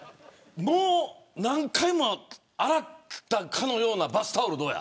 何回も洗ったかのようなバスタオル、どうや。